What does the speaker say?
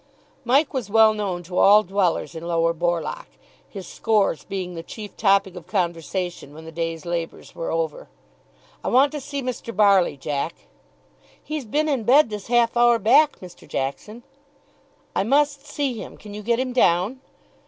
Mike was well known to all dwellers in Lower Borlock, his scores being the chief topic of conversation when the day's labours were over. "I want to see Mr. Barley, Jack." "He's bin in bed this half hour back, Mr. Jackson." "I must see him. Can you get him down?"